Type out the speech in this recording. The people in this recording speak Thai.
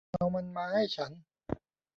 เอามันมาให้ฉัน